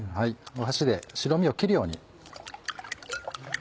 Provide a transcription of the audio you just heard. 箸で白身を切るように。